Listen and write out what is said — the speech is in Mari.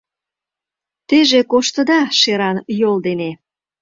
Теже коштыда шеран йол дене